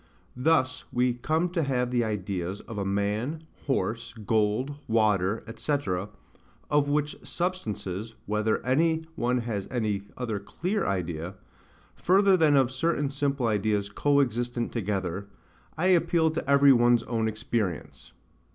Thus we come to have the ideas of a man, horse, gold, water, &c. of which substances, whether any one has any other CLEAR idea, further than of certain simple ideas co existent together, I appeal to every one's own experience.